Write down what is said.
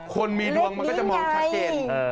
คนมีดวงมันก็จะมองชัดเจน